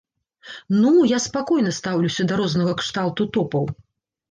Ну, я спакойна стаўлюся да рознага кшталту топаў.